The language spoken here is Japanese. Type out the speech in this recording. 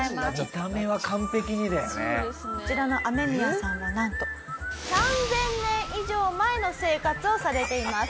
こちらのアメミヤさんはなんと３０００年以上前の生活をされています。